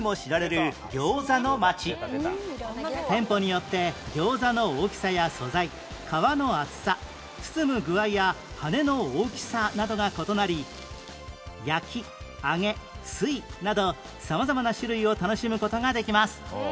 店舗によって餃子の大きさや素材皮の厚さ包む具合や羽根の大きさなどが異なり焼き揚げ水など様々な種類を楽しむ事ができます